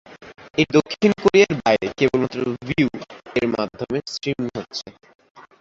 এটি দক্ষিণ কোরিয়ার বাইরে কেবলমাত্র ভিউ-এর মাধ্যমে স্ট্রিমিং হচ্ছে।